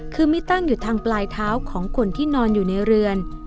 คือมีตั้งอยู่ทางปลายเท้าของคนที่นอนอยู่ในเรือน